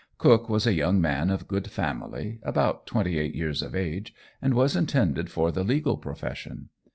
Cook was a young man of good family, about twenty eight years of age, and was intended for the legal profession.